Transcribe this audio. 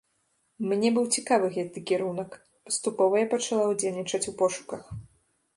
Мне быў цікавы гэты кірунак, паступова я пачала ўдзельнічаць у пошуках.